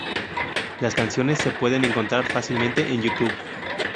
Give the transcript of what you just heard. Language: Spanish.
Las canciones se pueden encontrar fácilmente en YouTube.